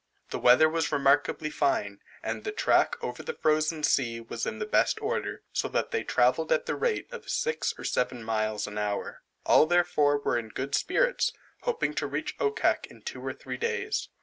The weather was remarkably fine, and the track over the frozen sea was in the best order, so that they travelled at the rate of six or seven miles an hour. All therefore were in good spirits, hoping to reach Okkak in two or three days.